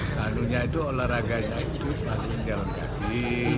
lalu nya itu olahraganya itu paling jalan kaki